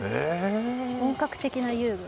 本格的な遊具。